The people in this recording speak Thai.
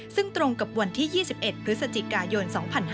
ซึ่งตรงกับวันที่๒๑พฤศจิกายน๒๕๕๙